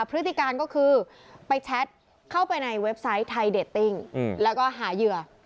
พฤติการก็คือไปแชทเข้าไปในเว็บไซต์ไทยเดตติ้งแล้วก็หาเหยื่อ